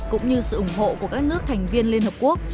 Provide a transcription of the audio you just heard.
cũng như sự ủng hộ của các nước thành viên liên hợp quốc